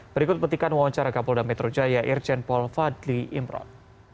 berikut petikan wawancara kapolda metro jaya irjen fadli imran